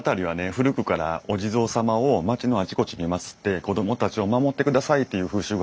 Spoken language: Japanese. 古くからお地蔵様を町のあちこちにまつって子供たちを守ってくださいっていう風習がある所なんですよ。